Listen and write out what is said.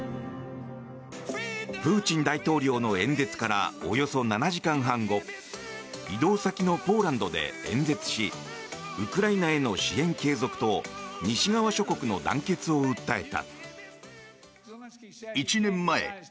プーチン大統領の演説からおよそ７時間半後移動先のポーランドで演説しウクライナへの支援継続と西側諸国の団結を訴えた。